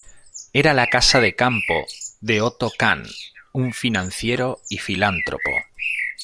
Era la casa de campo de Otto Kahn, un financiero y filántropo.